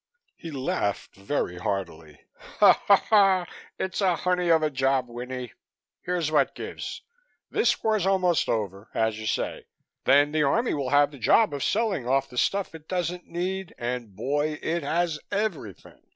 He laughed very heartily. "It's a honey of a job, Winnie. Here's what gives. This war's almost over, as you say. Then the Army will have the job of selling off the stuff it doesn't need and boy! it has everything.